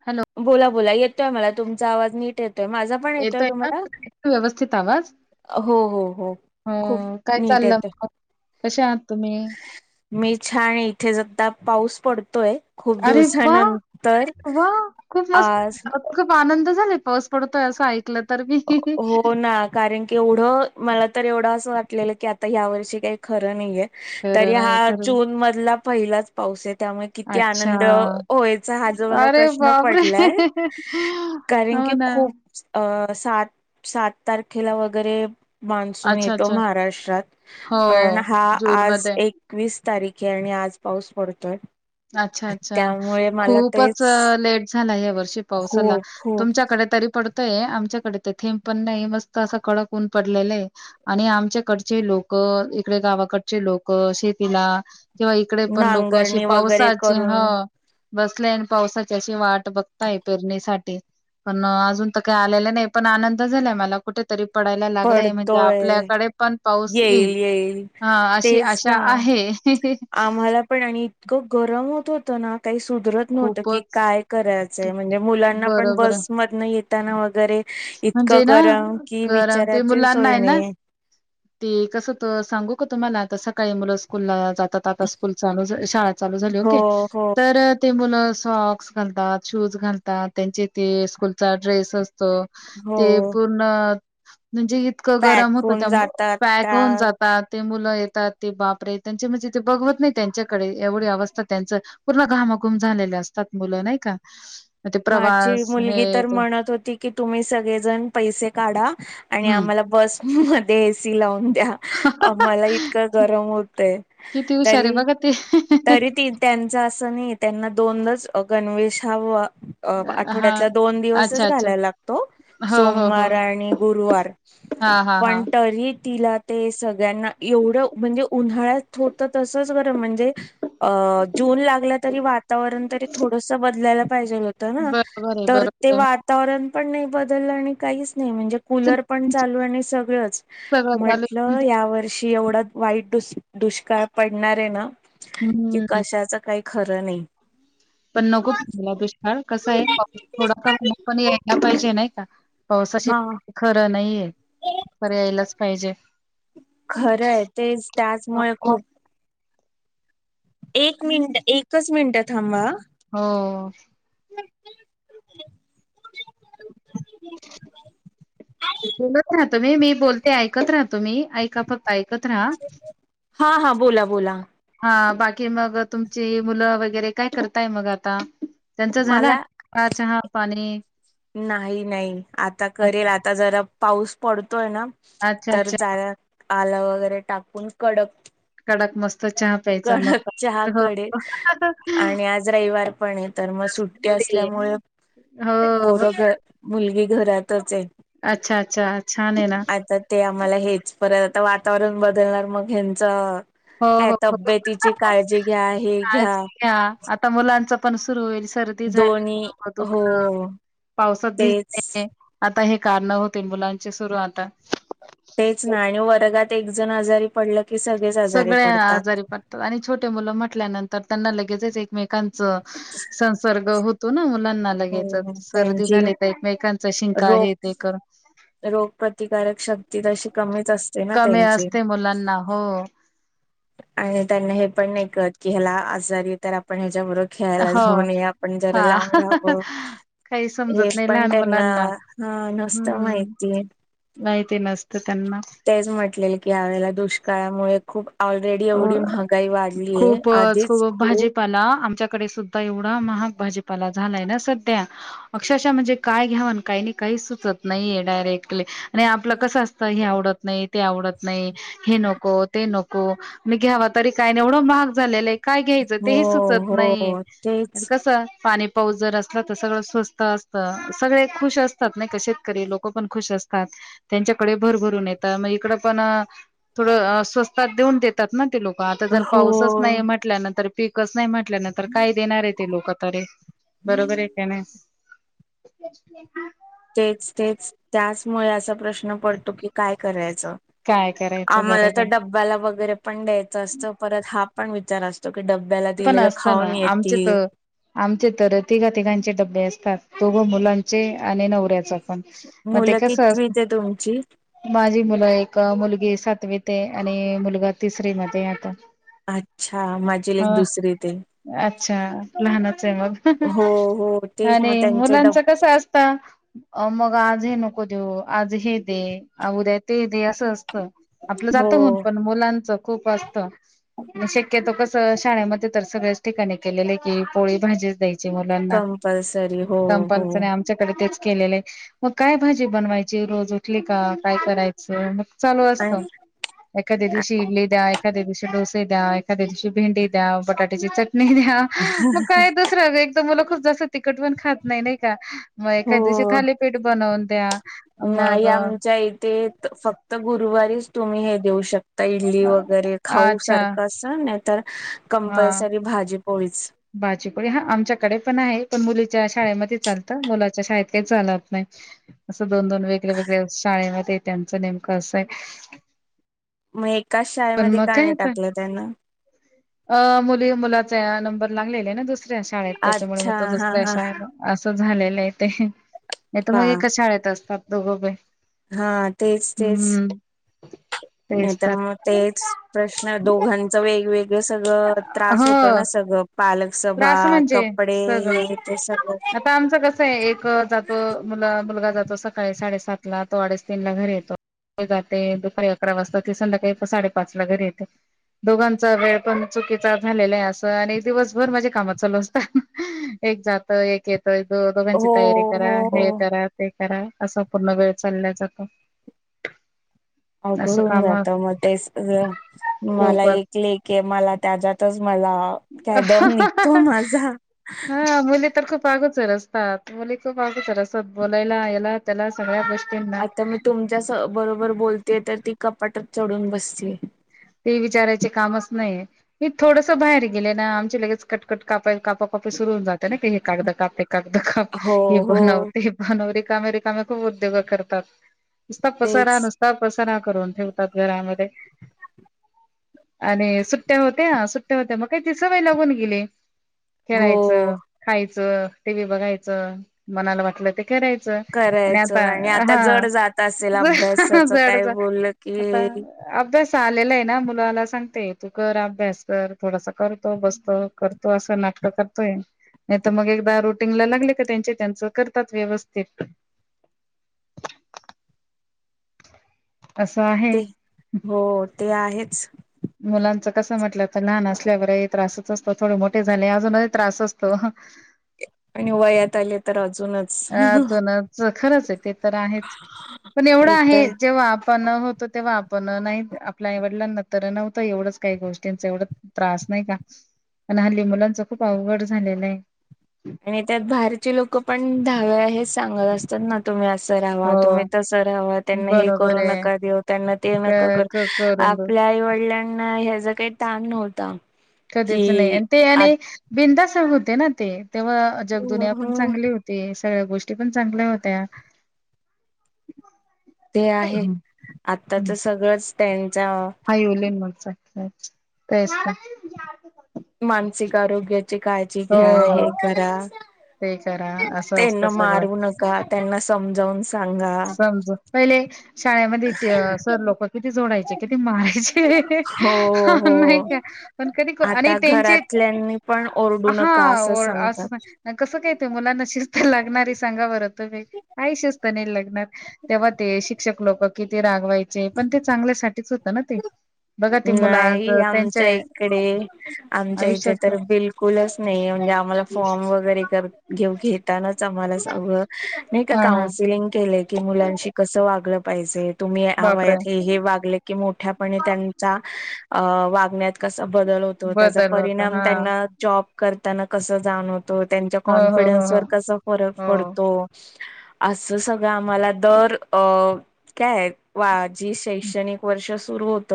Hello बोला बोला येतोय मलां तुमचां आंवाज नीट येतोय माझां येतोय कां व्यवस्थित आंवाज हो हो हो खूप कायं नीट चाललं येतोय मं कसे आहांत तुम्हीं मी छान इथे संध्या पाऊस पडतोय खूप अरे दिवसानंतर वारे वां खूंप आज मस्तं खूंप आनंद झालेय पाऊस पडतोय असं ऐकलं तरं बी हो नां कारणं की एवढं मलां तरं एवढं असं वाटलेलं की आंता ह्यां वर्षी कांहीं खरं नाहीये खरं तरी नाही हां खरं जूंन मधलां पहिलांच पाऊस आहे त्यामुळें किती अच्छा आनंद व्हयचां हां ज मलां अरे प्रश्न बापरे पडलांय कारणं हो की ना खूंप अं सात सात तारखेला वगैरें मान्सूंन अच्छा येतो अच्छा महाराष्ट्रांत हो पणं हां जून आंज मध्ये एक वीस तारीख आहे आणि आंज पाऊस पडतोय? अच्छा -अच्छा त्यामुळे मला तेच खूपचं लेट झांला यां वर्षी पावसांला खूप खूप तुमच्यांकडे तरी पडतो आहे आमच्यांकडे ते थेंब पणं नाहीं मस्तं असं कडक होऊन पडलेलं आहे. आणि आमच्यांकडचे लोकं ईकडे गांवाकडचे लोकं शेतीला किंव्हा ईकडे पणं लोकं असे नांगरणी वगैरे पावसांचे करून हं बसलेय आणि पावसांची अशी वांट बघतांय पेरणीसाठी. पणं अजूंन तरं कांहीं आलेलं नाहीं पणं आनंद झालायं मलां कुंठरी पडायला लागलायं म्हणजे पडतोय आपल्यांकडे पणं पाऊस येईल हे अशी तेच आशा ना अशी आश्या आहे. खूंप गरमं होतं होतं नां कांहीं सुधरतं नव्हतं की खूपच कायं करायचंय म्हणजे मुलांना पणं बरोबर. बसमधून येतं वगैरे इतकं म्हणजे ना गरम कि गरम ते मुलांना आहे ना? ते कसं होत, सांगू का तुम्हाला तर, सकाळी मुलं स्कूलला जातात. आ स्कूल चालू शाळा चालू झाली, हो ओके हो तर ते मुलं सॉक्स घालतात शूज घालतात, त्यांचे ते स्कूलचा ड्रेस अस हो ते पूर्ण म्हणजे? इतकं गरम पॅक होतं, होऊन त्यामुळे जातात पॅक त्या होऊन जात ते मुलं येतात ते बापरे त्यांचे म्हणजे, ते बघवत नाही त्यांच्याकडे एवढी अवस्था त्यांच पूर्ण घामाघूम झालेले, असतात मुलं नाही का म ते प्रवास हे कि, तुम्ही सगळेजण पैसे काढा आणि हम्म आम्हाला बस मध्ये एसी लावून द्या. म्हाला इतकं गरम होतय, किती हुशार आहे तरी बघा ते [unintelligible] तरी त त्यांच असं नाही, त्यांना दोनच गणवेश हव हा आठवड्यातला दोन अच्छा दिवसच अच्छा घालायला लागतो, हो हो हो सोमवार आणि गुरुवार. हा हा हा पण तरी तिला ते सगळ्यांना एवढं म्हणजे उन्हाळ्यात होतं तसच, बरं म्हणजे अ, जून लागला तरी वातावरण तरी थोडस बदलायला पाहिजे ना बरोबर आहे तर ते बरोबर आहे वातावरण पण नाही बदललं आणि काहीच नाही म्हणजे कूलर पण, चालू आणि सगळंच सगळं चालू म्हटलं म्हणजे या वर्षी एवढा, वाईट डुष दुष्काळ पडणार आहे ना? कि, हम्म कशाच काही खरं नाही. पण नको ओला दुष्काळ कसा आहे, पाऊस थोडा कमी पण यायला पाहिजे नाही का? पावसाशी हा खरं नाहीये, खरं यायलाच पाहिजे. खरंय तेच त्याचमुळे हो खूप एक मिनट, एकच मिनिट थांबा हा. हो हा. बोलत राहा तुम्ही मी बोलते ऐकत राह, तुम्ही ऐका फक्त ऐक एकत रहा हा हा बोला बोला हा बाकी मग तुमची मुलं वगैरे काय करताय मग आता? त्यांचा झाला, मला पा चहा पाणी नाही, नाही, आता करेल आता जरा पाऊस पडतोय ना अच्छा, तर, अच्छा. जाण्या आल वगैरे टाकून कडक कडक मस्त चहा प्यायचा मग कडक, चहा काय हो. कडे आणि आज रविवार पण आहे, तर मग मस्त सुट्टी ते असल्यामुळे हो- हो पोरं घ मुलगी घरातच आहे. अच्छा, अच्छा, छान आहे ना? आता ते, आम्हाला हेच परत आता वातावरण बदलणार मग ह्यांचं हो, काय? हो, हो. तब्येतीची काळजी घ्या हे घ्या. आता, मुलांच पण सुरू होईल सर भिजायला दोन्ही नको, हो दुखणं पावसात तेच भिजने आता हे, कारणं होतील मुलांचे सुरू आता तेच, ना आणि वर्गात एक जण आजारी पडलं की सगळेच आजारी सगळे पडतात. आजारी पडतात आणि छोटे मुलं म्हटल्यानंतर, त्यांना लगेच एकमेक कनच संसर्ग होतो ना मुला- [unintelligible] लगेचच हो सर्दी त्यांची झाली तर, एकमेकांचा शिंका रोग हे ते कर- रोगप्रतिकारक शक्ती तशी कमीच असते ना, कमी त्यांची. असते मुलांना हो आणि त्यांना हे पण नाही कळत की, ह्याला आजारी तर आपण ह्याच्याबरोबर- खेळायला हो जाऊ नये, आपण जरा हा लांब राहावं, काही हे समजत नाही पण लहान मुलांना त्यांना- हा, नसत माहिती. माहीती नसत त्यांना. तेच म्हटलेल की, ह्यावेळेला दुष्काळामुळे- खूप ऑलरेडी अ एवढी महागाई वाढली आहे, आधीच खूप- पण आमच्याकडे सु- ध्दा आता एवढा महाग भाजपाला झालाय ना सध्या- अक्षरशः म्हणजे काय घ्याव अन् काही नाही, काही सुचत नाहीे डायरेक्टली आणि आपलं कसं असतं हे आवडत- नाही, ते आवडत नाही, हे नको, ते नको. मी घ्यावा तरी काय एवढं महाग झालेलं आहे. काय घ्यायचं हो तेही सुचत नाही, हो तेच कस पाणी- पाऊस जर असला तर, सगळं स्वस्त असत, सगळे खुश असतात नाही का, शेतकरी लोक पण खुश असतात. त्यांच्याकडे भरभरून येत, मग इकड पण थोडं स्वस्तात देऊन देत- तात ना ते लोक. आता जर हो पाऊसच नाही म्हटल्या नंतर पीकच नाही म्हट- म्हल्यानंतर काय देणार आहे ते लोक तरी. बरोबर आहेे की नाही? तेच, तेच, त्याचमुळे असा प्रश्न पडतो की, काय करायचं? काय करायचं आम्हाला तर बरोबर डब्ब्याला वगैरे पण द्यायचं असतं, परत हा पण विचार अस- तो की, डब्ब्याला पण दिलेलं असतं ना खाऊन आमचे येतील. तर आमचे तर तिघा-तिघांचे डबे असतात, दोघं मुलांचे आणि नवऱ्याच- पण, मग ते मुलं कस अस- कितवीत आहे तुमची माझी मुलं, एक मुलगी सातवीत आहे आणि मुलगा तिसरी मध्ये आता. अच्छा, माझी लेक हो. दुसरीत आहे. अच्छा, लहानच आहे मग हो हो तेच मग आणि त्यांचे डब मुलांच कस असत- [inaudible] अ.. मग आज हे नको देऊ, आज हे दे, उद्या ते दे, असं असतं. आपलं हो जात होउन पण, मुलांच खूप असतं, शक्यतो कस- शाळेमध्ये तर सगळ्याच ठिकाणी केलेले की, पोळी, भाजीच द्यायची. चे मुलांना, कंपल्सरी हो हो कंपनीचं आणि आमचं- त्याच्याकडे तेच केलेलं आहे, मग काय भाजी बनवायची, रोज उठली का काय करायचं, मग- चालू आणि असतो. एखाद्या दिवशी इडली द्या, एखाद्या दिवशी डोसे द्या, एखाद्या दिवशी- भेंडी द्या, बटाट्याची चटणी द्या, मग काय - खूप [unintelligible] मुलं खूप जास्त मग एखाद दिवशी तिखट पण नाही खात नाही का, एखाद दिवशी हो थाली- पीठ बनवून द्या. मग नाही, आमच्या इथे फक्त गुरुवारीच तुम्ही हे देऊ शक- ता. इडली, वगैरे खाऊ अच्छा सारखं अस नाहीतर कंपल्सरी भाजी, पोळीच. भाजी, पोळी हा. आमच्याकडे पण आहे, पण मुलीच्या शाळेमध्ये चालतं, मुलाच्या शाळेत काही चालत नाही. असं दोन दोन, वेगळ वेगळ, शाळेमध्ये त्यांचं नेमकं असं आसय. मग एकाच शाळेमध्ये मग का काय नाही आता टाकलं त्यांना? अ.. मुली मुलाचा या नंबर लागलेला ना दुसऱ्या शाळेत, त्याच्यामुळे मग अच्छा तो हा दुसऱ्या हा शाळेला. असं झालेलं आहे ते. नाही तर बा मग एका शाळेत असतात दोघबी. हा तेच तेच नाही तर मग. तेच प्रश्न दोघांचं वेगवेगळं सगळं त्रास होतो हो ना सगळं. पालक सभा त्रास म्हणजे कपडे हे सगळं ते सगळं. आता आमचं कसं आहे एक जातो मुला मुलगा जातो सकाळी साडेसातला तो अडेच तीनला घरी येतो. वजाते दुपारी अकरा वाजता ते संध्याकाळी साडेपाच ला घरी येते. दोघांचा वेळ पण चुकीचा झालेला आहे असं आणि दिवस. दिवसभर माझ्या कामात चालू असतात एक जात एक येत दो दोघांची हो तयारी. करा हे हो करा ते करा असा पूर्ण वेळ चालल्या जातो. असं अघडून काम जातं म ते सगळ मला खूपच एक. लेख हाय मला त्याच्यातच मला. काय दम निघतो अहहहहह माझा. हं मुली तर खूप. आगुचर असतात मुली खूप आगुचर असतात बोलायला याला त्याला सगळ्या गोष्टींना. तसं बरोबर बोलते तर ती कपाटात चढून बसती. ते विचारायचे कामच नाहीे मी थोडसं बाहेर गेले ना आमचे लगेच कटकट कापाय कापप. वापस सुरू हून जातंना की हे कागद का हॅ प ते कागद काप हो हे हो बनव ते. हाना ओ रिकामे रिकामे खूप उद्योगं करतात नुसता पसारा नुसत. तेच नुसता पसारा करून ठेवतात घरामध्ये. आणि सुट्ट्या होत्या सुट्ट्या होत्या म काय ती सवय लागून गेली. हो. खेळायचं खायचं टी व्ही बघायचं मनाला वाटलं ते करायचं. आणि आता करायचं हा आता अहहा जड जात असेल अभ्यासाच जड काय जातं बोललं आता. की अभ्यास आलेलाय हाय. ना मुलाला सांगते तू कर अभ्यास कर थोडासा करतो बसतो करतो असं नाटकं करतोय. नाही तर मग एकदा रुटीनला लागले का त्यांचे त्यांचं करतात व्यवस्थित. असं आहे. ते हो ते आहेच. मुलांचं कसं म्हटलं तर लहान असल्यावरही त्रासच असतो थोडे मोठे झाले अजूनही त्रास असतो हह. आणि वयात आले तर अजूनच. अ जनच खरंच आहे ते तर आहेच पण एवढं एक आहे तर जेव्हा. पण होतो तेव्हा आपण नाही आपल्या आईवडलांना तर नव्हतं एवढंच काही गोष्टींचं एवढं. त्रास नाही का पण हल्ली मुलांच खूप अवघड झालेलंय हाय. नाहीतर बाहेरची लोक पण दहा वेळा हेच सांगत असतात ना तुम्ही असं ऱ्हावा हो तुम्ही. तसं राहावा. त्यांना हे बरोबर करू आहे नका देऊ त्यांना ते क नका कर क करून ब आपल्या आई वडिलांना ह्याचा. काई तान नव्हता. कधीच नाही कि आणि ते आ आणि बिंदास होते ना ते तेव्हा जगदुनिया पन चांगली होती. ते सगळ्या गोष्टी पण चांगल्या होत्या. ते आहे आत्ताचं सगळंच त्यांच. आयओलिन [inaudible] तेच त मानसिक आरोग्याची काळजी घ्या हे हो करा. ते करा असं असत त्यांना सगळं मारू नका त्यांना समजावून सांगा समजू. पहिले शाळेमध्ये ती सर लोक किती झोडायचे किती मारायचे एहेहेहह. हो हो हहं नाही का पण कधी को आणि आता त्यांचे. घरातल्यांनी पण ओर''--'' हा ओर अस नको. कसं काय ते मुलांना शिस्त लागणारी सांगा बरं तुमी काही शिस्त नाही लागणार. तेव्हा ते शिक्षक लोक किती रागवायचे पण ते चांगल्यासाठीच होतं ना ते. बघा ते मुलं आज नाई त्यांच्या आमच्या इकडे आमच्या इथे आयुष्यात तर बिल -कुलच नाही म्हणजे आम्हाला फॉर्म वगैरे कर घेऊ घे म्हणतानाच आम्हाला सा व नाही का हा हा काऊन्सलिंग केलय की मुलांशी कस वागलं पाहिजे? तुम्ही ह्या बापरे वयात हे वागले की मोठ्यापणी त्यांचा अ वागण्यात कसा बदल होतो त्याजा बदल होता परिणाम हा त्यांना जॉब करताना कसा जाणव त त्यांच्या हो हो हो कॉन्फिडन्स हो वर कसा फरक हो पडतो? असं सगळं आम्हाला दर अ काय वा जी शैक्षणिक वर्ष सुरू होत.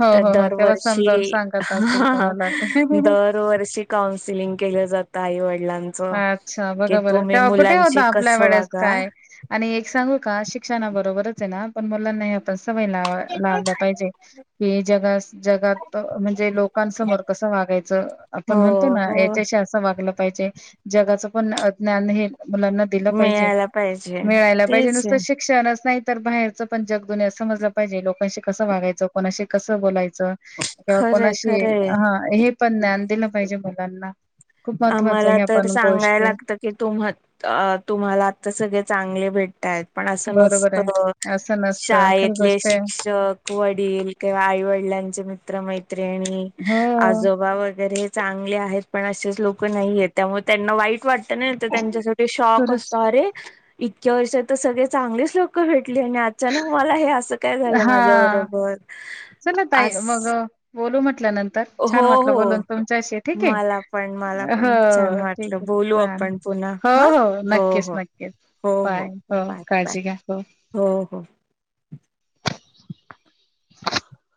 हो, हो, हो. तेव्हा दरवर्षी समजावून सांगत हा असतील हा तुम्हाला ते. ह दरवर्षी काउन्सिलिंग केलं जातं आईवडिलां अच्छा बघा बर तेव्हा कुठे होता आपल्या कसं वेळेस वागा काय? आणि एक सांगू का शिक्षणा बरोबरच आहे ना पण मुलांनाही आपण सवय ला लावल्या पाहिजे. कि जगस जगात म्हणजे लोकांसमोर कसं वागायचं? आपण हो म्हणतो ना? हो याच्याशी असं वागलं पाहिजे. जगाच पण ज्ञान हे मुलांना दील पाहिजे मिळायला पाहिजे मिळायला पाहिजे तेच नुसत आहे शिक् शिक्षणच नाही तर बाहेरचं पण जग दुनिया समजलं पाहिजे? लोकांशी कसं वागायचं? कोणाशी कसं बोलायचं? किंवा खरंय कोणाशी खरंय हा हे पण ज्ञान दिलं पाहिजे मुलांना. खूप महत्वाच आम्हाला हे प तर सांगायला लागत की तुम्ह - तुम्हाला आता सगळे चांगले भेटतायत. पण असं बरोबर नसत. आहे असं नसतं खरी शाळेतले गोष्ट आहे शिक्षक वडील किंवा आई वडिलांचे मित्र मैत्रिणी हो आजोबा वगैरे चांगले आहेत पण असेच लोक नाहीयेत त्यामुळे त्यांना वाईट वाट ते नाही त्यांच्यासाठी शॉक खरंच असतो अरे इतक्या वर्षात त सगळे चांगलेच लोक भेटली आणि अचानक मला हे अस काय झालं हा माझ्या बरोबर? चला ताई आस मग अ, बोलू म्हटल्या नंतर छान हो वाटलं हो बोलून तुमच्याशी ठीक आहे मला पण. मला पण. पण छान हो ठीक वाटलं. आहे बोलू चालेल आपण पुन्हा. हो हा. हो - नक्कीच हो. नक्कीच हो - बाय हो. Bye -bye. काळजी घ्या हो - हो. [inaudible]